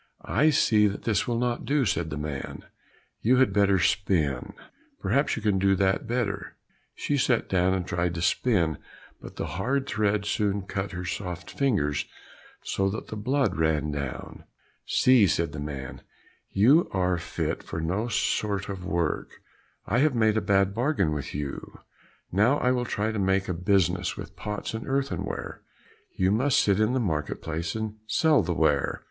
"I see that this will not do," said the man; "you had better spin, perhaps you can do that better." She sat down and tried to spin, but the hard thread soon cut her soft fingers so that the blood ran down. "See," said the man, "you are fit for no sort of work; I have made a bad bargain with you. Now I will try to make a business with pots and earthenware; you must sit in the market place and sell the ware."